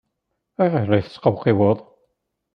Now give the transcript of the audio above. Ayɣer ay la tesqewqiweḍ?